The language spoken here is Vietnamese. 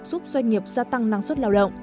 giúp doanh nghiệp gia tăng năng suất lao động